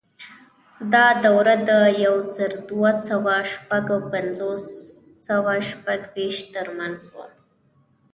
دا دوره د یو زر دوه سوه شپږ او پنځلس سوه شپږویشت ترمنځ وه.